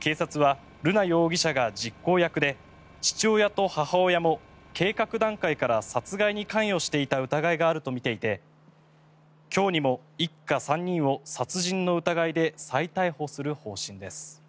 警察は、瑠奈容疑者が実行役で父親と母親も計画段階から殺害に関与していた疑いがあるとみていて今日にも一家３人を殺人の疑いで再逮捕する方針です。